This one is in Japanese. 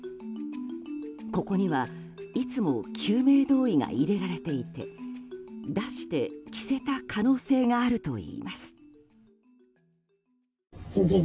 ここにはいつも救命胴衣が入れられていて出して、着せた可能性があるといいます。